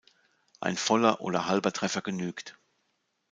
Ein voller oder halber Treffer genügt.